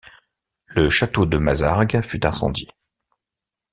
Le château de Mazargues fut incendié.